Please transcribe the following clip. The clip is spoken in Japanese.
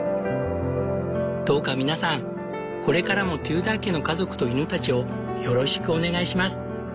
どうか皆さんこれからもテューダー家の家族と犬たちをよろしくお願いします。